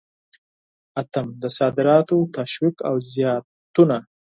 اتم: د صادراتو تشویق او زیاتونه.